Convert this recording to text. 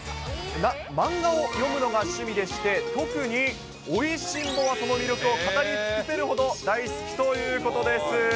漫画を読むのが趣味でして、特に美味しんぼがその魅力を語り尽くせるほど大好きということです。